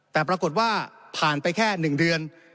แต่ปรากฏว่าผ่านไปแค่๑เดือน